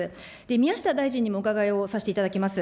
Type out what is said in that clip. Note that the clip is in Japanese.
宮下大臣にもお伺いをさせていただきます。